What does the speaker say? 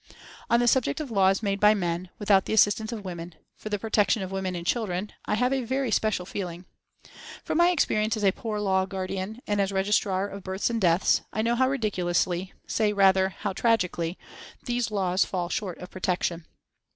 On the subject of laws made by men without the assistance of women for the protection of women and children, I have a very special feeling. From my experience as poor law guardian and as Registrar of Births and Deaths, I know how ridiculously, say rather how tragically, these laws fall short of protection.